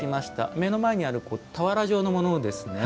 目の前にある俵状のものですよね。